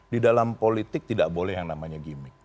di dalam politik tidak boleh yang namanya gimmick